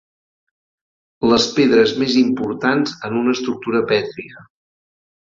Les pedres més importants en una estructura pètria.